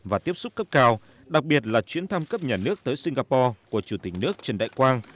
và tiếp xúc cấp cao đặc biệt là chuyến thăm cấp nhà nước tới singapore của chủ tịch nước trần đại quang